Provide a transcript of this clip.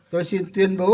tôi xin tuyên bố